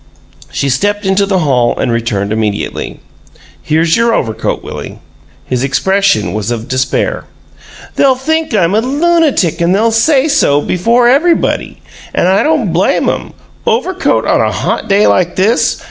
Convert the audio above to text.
She stepped into the hall and returned immediately. "Here's your overcoat, Willie." His expression was of despair. "They'll think I'm a lunatic and they'll say so before everybody and I don't blame 'em! Overcoat on a hot day like this!